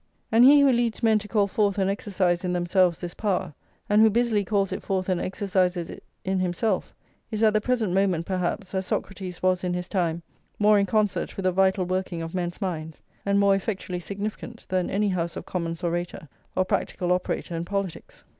And he who leads men to call forth and exercise in themselves this power, and who busily calls it forth and exercises it in himself, is at the present moment, perhaps, as Socrates was in his time, more in concert with the vital working of men's minds, and more effectually significant, than any House of Commons' orator, or practical operator in politics.